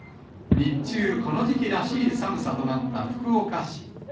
日中、この時期らしい寒さとなった福岡市。